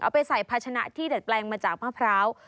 ไปใส่ภาชนะที่ดัดแปลงมาจากมะพร้าว